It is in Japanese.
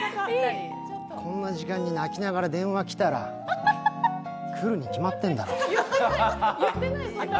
こんな時間に泣きながら電話きたら、来るに決まってんだろう。